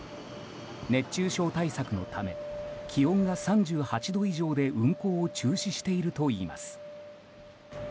熱中症対策のため気温が３８度以上で運行を中止しているといいます。